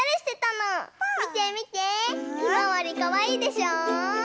ひまわりかわいいでしょう？かわいい！